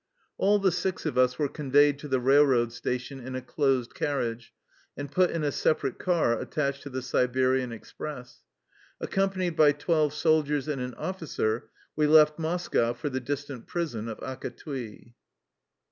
All the six of us were conveyed to the railroad station in a closed carriage, and put in a sepa rate car attached to the Siberian express. Ac companied by twelve soldiers and an officer, we left Moscow for the distant prison of Akatui.